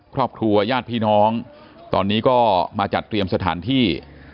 ครอบครัวญาติพี่น้องตอนนี้ก็มาจัดเตรียมสถานที่